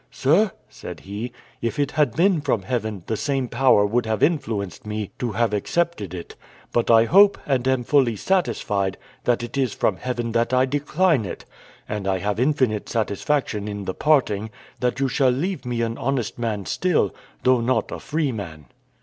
"Sir," said he, "if it had been from Heaven, the same power would have influenced me to have accepted it; but I hope, and am fully satisfied, that it is from Heaven that I decline it, and I have infinite satisfaction in the parting, that you shall leave me an honest man still, though not a free man."